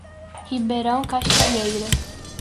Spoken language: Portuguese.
Ribeirão Cascalheira